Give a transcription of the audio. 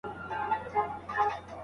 ما خپله څېړنه بشپړه کړې ده.